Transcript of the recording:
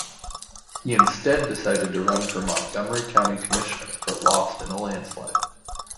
He instead decided to run for Montgomery County Commissioner, but lost in a landslide.